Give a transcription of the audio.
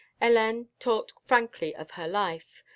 Hélène talked frankly of her life.